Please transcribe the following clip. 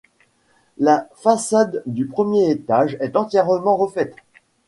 La façade du premier étage est entièrement refaite.